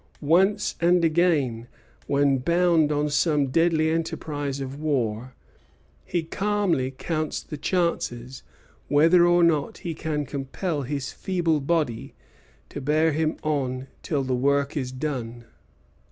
Once and again, when bound on some deadly enterprise of war, he calmly counts the chances whether or not he can compel his feeble body to bear him on till the work is done.